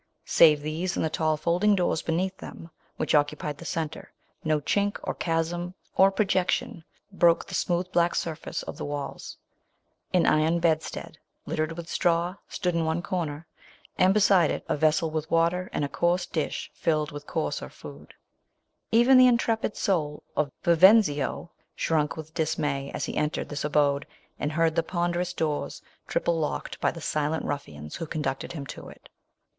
Save these, and the tall folding doors beneath them, which occupied the centre, no chink, or chasm, or projection, broke the smooth black surface of the walls An iron bedstead, littered with straw, stood in one corner : and beside it, a vessel with water, and a com dish filled with coarser food. I '.\enthe intrepid soul of Yivenzio shrunk with dismay as he entered this abode, and heard the ponderoi doors triple locked by the silent ruf fians who conducted him to it.